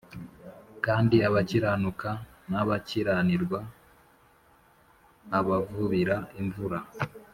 kandi abakiranuka n’abakiranirwa abavubira imvura